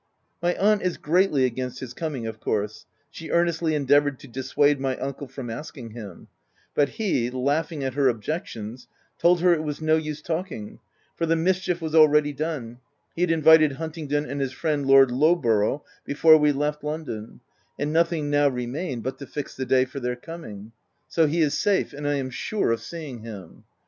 My aunt is greatly against his coming, of course : she earnestly endeavoured to dis suade my uncle from asking him ; but he, laughing at her objections, told her it was no use talking for the mischief was already done : he had invited Huntingdon and his friend Lord Lowborough before we left London, and no thing now remained but to fix the day for their coming. So he is safe, and 1 am sure of seeing him.